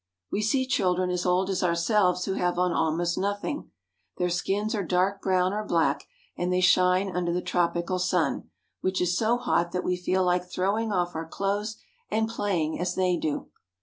We see children as old as ourselves who have on almost nothing. Their skins are dark brown or black, and they shine under the tropical sun, which is so hot that we feel like throwing off our clothes and playing as they do.